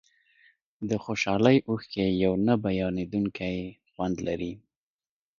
د خوشحالۍ اوښکې یو نه بیانېدونکی خوند لري.